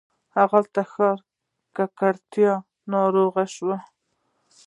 هغه د ښار له ککړتیا ناروغ شو.